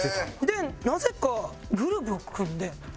でなぜかグループを組んで。